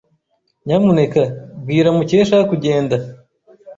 Nyamuneka bwira Mukesha kugenda.